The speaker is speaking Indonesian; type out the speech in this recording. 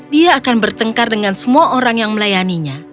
dia akan bertengkar dengan semua orang yang melayaninya